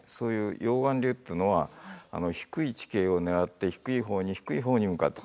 溶岩流っていうのは低い地形を狙って低い方に低い方に向かって。